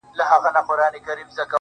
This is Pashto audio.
پر جبين باندې لښکري پيدا کيږي.